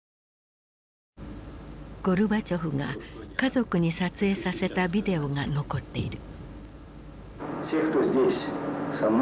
ゴルバチョフが家族に撮影させたビデオが残っている。